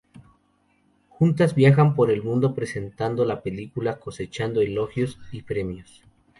Juntas viajan por el mundo presentando la película, cosechando elogios y premios.